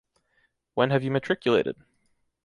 When have you matriculated?